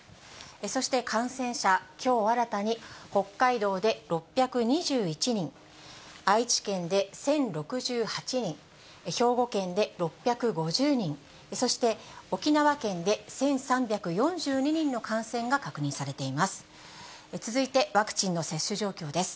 そして感染者、きょう新たに、北海道で６２１人、愛知県で１０６８人、兵庫県で６５０人、そして沖縄県で１３４２人の感染が確認されています。